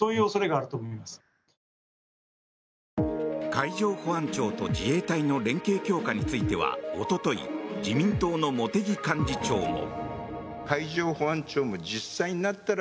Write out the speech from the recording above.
海上保安庁と自衛隊の連携強化についてはおととい自民党の茂木幹事長も。